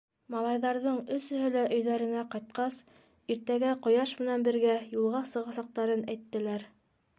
Малайҙарҙың өсөһө лә өйҙәренә ҡайтҡас, иртәгә ҡояш менән бергә юлға сығасаҡтарын әйттеләр.